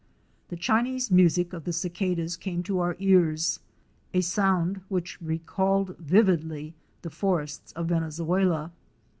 The Chinese music of the cicadas came to our ears, a sound which recalled vividly the forests of Venezuela.